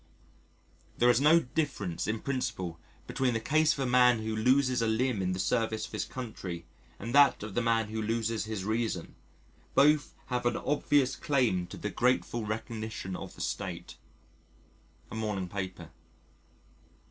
"There is no difference in principle between the case of a man who loses a limb in the service of his country and that of the man who loses his reason, both have an obvious claim to the grateful recognition of the State." A morning paper.